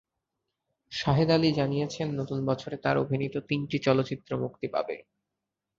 শাহেদ আলী জানিয়েছেন, নতুন বছরে তাঁর অভিনীত তিনটি চলচ্চিত্র মুক্তি পাবে।